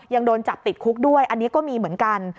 ยังโดนจับติดคุกด้วยอันนี้ก็มีเหมือนกัน